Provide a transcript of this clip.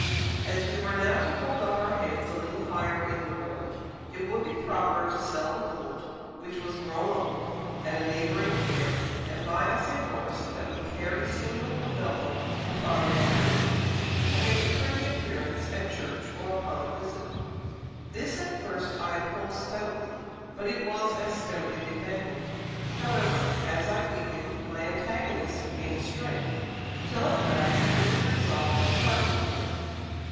As we were now to hold up our heads a little higher in the world, it would be proper to sell the colt, which was grown old, at a neighbouring fair, and buy us a horse that would carry single or double upon an occasion, and make a pretty appearance at church or upon a visit. This at first I opposed stoutly; but it was as stoutly defended. However, as I weakened, my antagonists gained strength, till at last it was resolved to part with him.